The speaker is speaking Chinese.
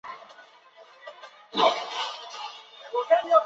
刘明利。